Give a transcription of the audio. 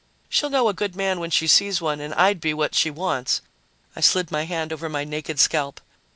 She'll know a good man when she sees one and I'd be what she wants." I slid my hand over my naked scalp.